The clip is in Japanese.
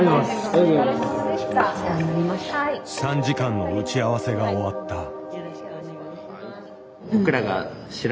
３時間の打ち合わせが終わった。